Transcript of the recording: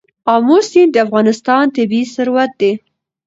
آمو سیند د افغانستان طبعي ثروت دی.